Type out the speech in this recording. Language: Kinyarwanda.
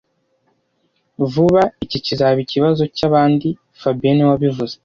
Vuba, iki kizaba ikibazo cyabandi fabien niwe wabivuze